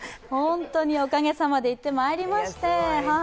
おかげさまで行ってまいりまして。